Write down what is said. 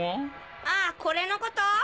ああこれのこと？